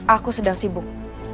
aku sedang sibuk